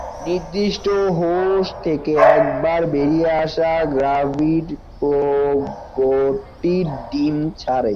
নির্দিষ্ট হোস্ট থেকে একবার বেরিয়ে আসা গ্রাভিড প্রোগ্লোটিড ডিম ছাড়ে।